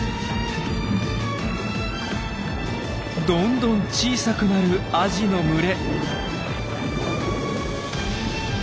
どんどん小さくなるアジの群れ。